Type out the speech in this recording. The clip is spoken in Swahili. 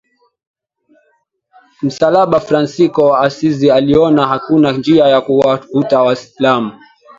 msalaba Fransisko wa Asizi aliona hakuna njia ya kuwavuta Waislamu